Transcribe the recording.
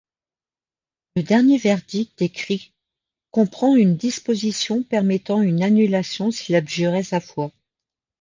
Le dernier verdict écrit comprend une disposition permettant une annulation s’il abjurait sa foi.